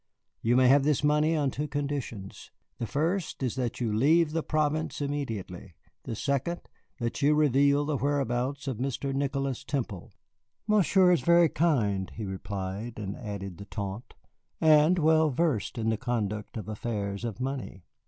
You may have this money on two conditions. The first is that you leave the province immediately. The second, that you reveal the whereabouts of Mr. Nicholas Temple." "Monsieur is very kind," he replied, and added the taunt, "and well versed in the conduct of affairs of money."